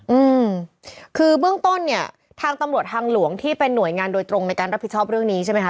อืมคือเบื้องต้นเนี่ยทางตำรวจทางหลวงที่เป็นหน่วยงานโดยตรงในการรับผิดชอบเรื่องนี้ใช่ไหมค